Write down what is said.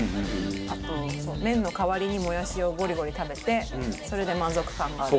あと麺の代わりにもやしをボリボリ食べてそれで満足感がある。